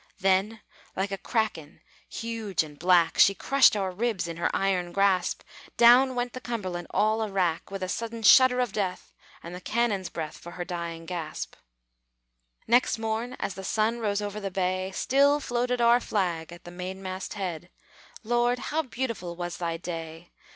Then, like a kraken huge and black, She crushed our ribs in her iron grasp! Down went the Cumberland all a wrack, With a sudden shudder of death, And the cannon's breath For her dying gasp. Next morn, as the sun rose over the bay, Still floated our flag at the mainmast head. Lord, how beautiful was Thy day!